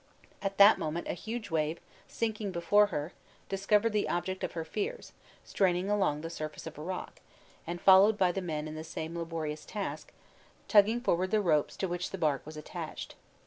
At that moment a huge wave, sinking before her, discovered the object of her fears, straining along the surface of a rock, and followed by the men in the same laborious task, tugging forward the ropes to which the bark was attached.